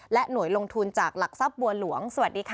หน่วยลงทุนจากหลักทรัพย์บัวหลวงสวัสดีค่ะ